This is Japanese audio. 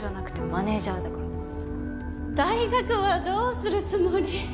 大学はどうするつもり？